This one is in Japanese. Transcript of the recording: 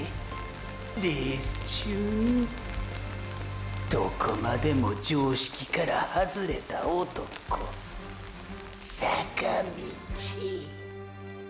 レース中にィ⁉どこまでも常識から外れた男サカミチィ！！